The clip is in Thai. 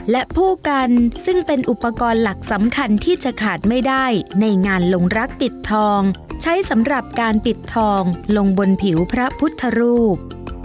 และผู้กันซึ่งเป็นอุปกรณ์หลักสำคัญที่จะขาดไม่ได้ในงานลงรักปิดทองใช้สำหรับการปิดทองลงบนผิวพระพุทธรูป